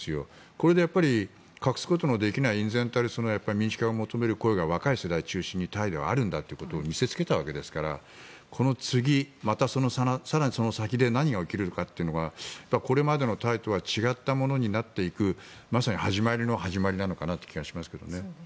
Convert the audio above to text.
これで隠すことのできない隠然たる民主化を求める声が若い世代を中心にタイではあるんだということを見せつけたわけですからこの次、また更にその先で何が起きるのかというのはこれまでのタイとは違ったものになっていくまさに始まりの始まりなのかなという気がしますけどね。